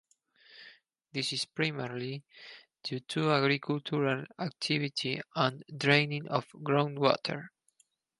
This is primarily due to agricultural activity and draining of groundwater.